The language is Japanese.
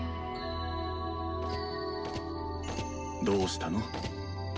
どうしたの？